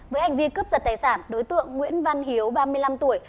với hành vi cướp giật tài sản đối tượng nguyễn văn hiếu ba mươi năm tuổi